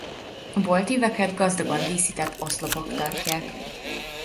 A boltíveket gazdagon díszített oszlopok tartják.